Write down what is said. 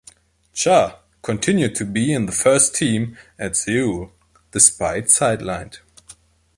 Cha continued to be in the first team at Seoul despite sidelined.